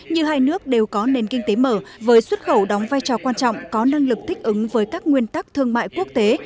như hai nước đều có nền kinh tế mở với xuất khẩu đóng vai trò quan trọng có năng lực thích ứng với các nguyên tắc thương mại quốc tế